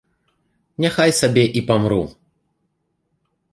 Няхай сабе і памру.